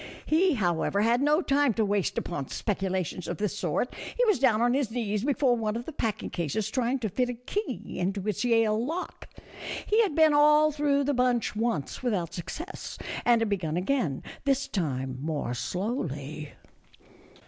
He, however, had no time to waste upon speculations of this sort ; he was down on his knees before one of the packing cases trying to fit a key into its Yale lock. He had been all through the bunch once, without success, and had begun again, this time more slowly.